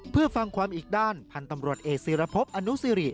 เพื่อฟังความอีกด้านพันธุ์ตำรวจเอกศิรพบอนุสิริ